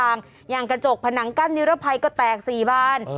หายหลายอย่างอย่างกระจกผนังกั้นนิรภัยก็แตก๔บ้าน